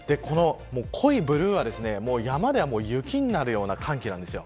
濃い青は山では雪になるような寒気です。